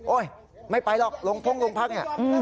โอ๊ยไม่ไปหรอกโรงพ่งโรงพักเนี่ย